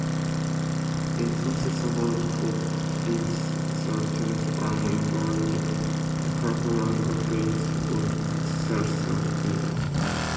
His successor was Pope Pius the Tenth, an equally powerful advocate of Cecilianism.